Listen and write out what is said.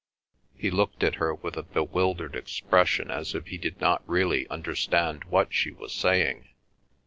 He looked at her with a bewildered expression as if he did not really understand what she was saying.